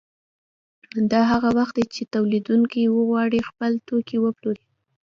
دا هغه وخت دی چې تولیدونکي وغواړي خپل توکي وپلوري